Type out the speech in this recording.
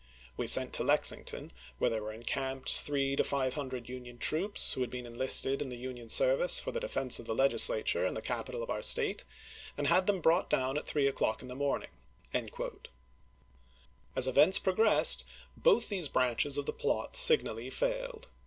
We sent to Lexington, where there were encamped three to five hundred Union troops, who had been enlisted in 244 ABBAHAM LINCOLN Chap. XII. the Union service for the defense of the Legislature and " Globe," the capital of our State, and had them brought down at p^'i2u^^^' ti'^^se o'clock in the morning. As events progressed, both these branches of the plot signally failed.